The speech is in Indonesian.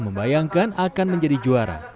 membayangkan akan menjadi juara